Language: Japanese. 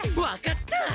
分かった！